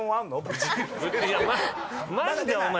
マジでお前。